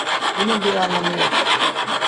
Bunun bir anlamı yok.